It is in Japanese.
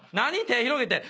手広げて。